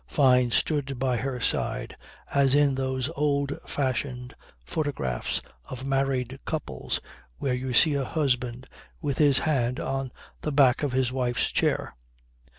Fyne stood by her side, as in those old fashioned photographs of married couples where you see a husband with his hand on the back of his wife's chair.